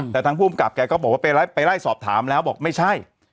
แต่ทางภูมิกับแกก็บอกว่าไปไล่สอบถามแล้วบอกไม่ใช่